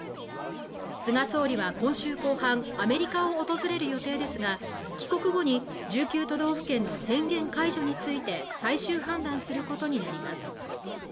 菅総理は今週後半アメリカを訪れる予定ですが帰国後に１９都道府県の宣言解除について最終判断することになります